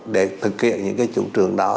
để thực hiện những cái chủ trương đó